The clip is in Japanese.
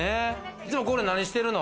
いつもここで何してるの？